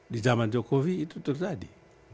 di zaman jokowi itu terjadi